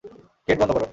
Gate বন্ধ করো।